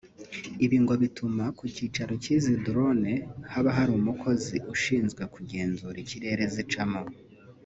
Ibi ngo bituma ku kicaro cy’izi Drone haba hari umukozi ushinzwe kugenzura ikirere zicamo